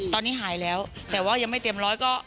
ตอนนี้หายแล้วแต่ว่ายังไม่เต็มร้อยก็